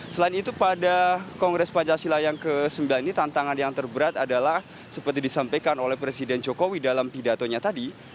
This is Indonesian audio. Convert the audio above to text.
selain itu pada kongres pancasila yang ke sembilan ini tantangan yang terberat adalah seperti disampaikan oleh presiden jokowi dalam pidatonya tadi